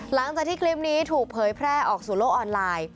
หลังจากที่คลิปนี้ถูกเผยแพร่ออกสู่โลกออนไลน์